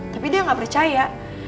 tapi dia gak percaya